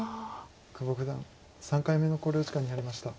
久保九段３回目の考慮時間に入りました。